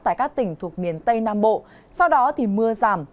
tại các tỉnh thuộc miền tây nam bộ sau đó thì mưa giảm